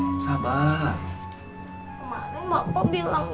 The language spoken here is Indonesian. kemarin bapak bilang insya allah